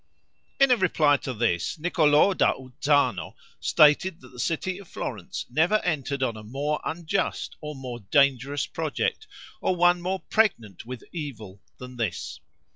In a reply to this, Niccolo da Uzzano stated that the city of Florence never entered on a more unjust or more dangerous project, or one more pregnant with evil, than this.